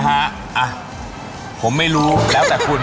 หัวทิ้มนะฮะผมไม่รู้แล้วแต่คุณ